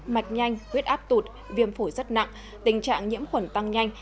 mạch nhanh huyết áp tụt viêm phổi rất nặng tình trạng nhiễm khuẩn tăng nhanh